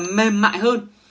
và mềm mại hơn